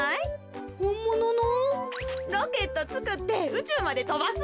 ロケットつくってうちゅうまでとばすんや。